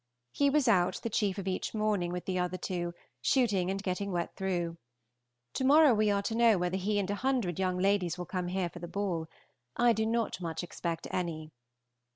He was out the chief of each morning with the other two, shooting and getting wet through. To morrow we are to know whether he and a hundred young ladies will come here for the ball. I do not much expect any.